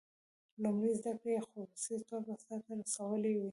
لومړنۍ زده کړې یې په خصوصي توګه سرته رسولې وې.